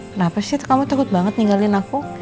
kenapa sih kamu takut banget ninggalin aku